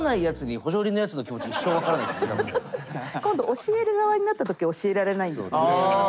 ここ通らないやつに今度教える側になった時教えられないんですよね。